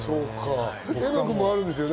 絵音君もあるんですよね？